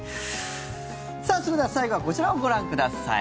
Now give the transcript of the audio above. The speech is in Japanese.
さあ、それでは最後はこちらをご覧ください。